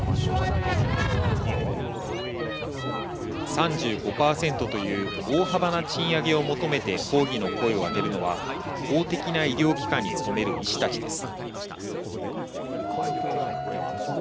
３５％という大幅な賃上げを求めて抗議の声を上げるのは、公的な医療機関に勤める医師たちです。